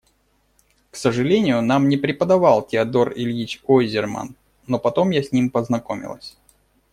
К сожалению, нам не преподавал Теодор Ильич Ойзерман, но потом я с ним познакомилась.